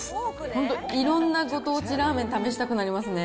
本当、いろんなご当地ラーメン試したくなりますね。